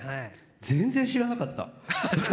全然知らなかった。